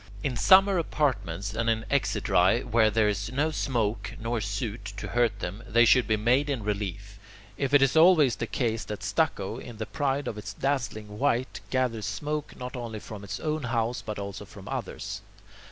In summer apartments and in exedrae where there is no smoke nor soot to hurt them, they should be made in relief. It is always the case that stucco, in the pride of its dazzling white, gathers smoke not only from its own house but also from others.